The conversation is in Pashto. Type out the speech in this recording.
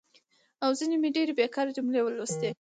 او ځینې مې ډېرې بېکاره جملې ولوستي.